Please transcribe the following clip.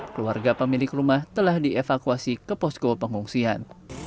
keluarga pemilik rumah telah dievakuasi ke posko pengungsian